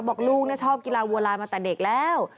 บอกลูกเนี่ยชอบกีฬาวัวลานมาตั้งเดียว